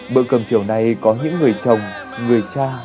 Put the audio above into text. bữa cầm chiều này có những người chồng người cha